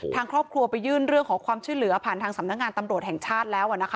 ทางครอบครัวไปยื่นเรื่องขอความช่วยเหลือผ่านทางสำนักงานตำรวจแห่งชาติแล้ว